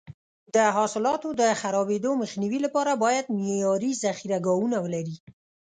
د حاصلاتو د خرابېدو مخنیوي لپاره باید معیاري ذخیره ګاهونه ولري.